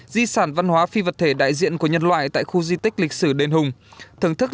di sản văn hóa phi vật thể đại diện của nhân loại tại khu di tích lịch sử đền hùng